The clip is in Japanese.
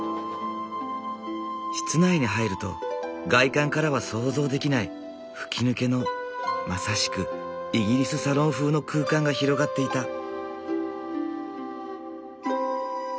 室内に入ると外観からは想像できない吹き抜けのまさしくイギリスサロン風の空間が広がっていた。